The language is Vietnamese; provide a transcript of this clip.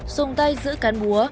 dùng tay giữ cán búa